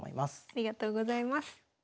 ありがとうございます。